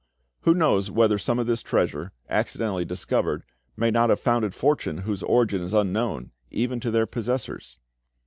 Who knows whether some of this treasure, accidentally discovered, may not have founded fortunes whose origin is unknown, even to their possessors?